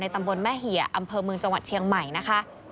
ตำบลแม่เหี่ยอำเภอเมืองจังหวัดเชียงใหม่นะคะ